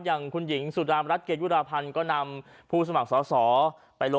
อย่างคุณหญิงสุดร้ามรัฐเกียวราคันก็นำ